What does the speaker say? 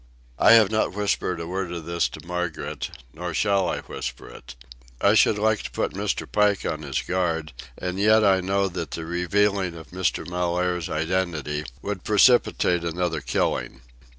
I have not whispered a word of this to Margaret; nor shall I whisper it. I should like to put Mr. Pike on his guard; and yet I know that the revealing of Mr. Mellaire's identity would precipitate another killing.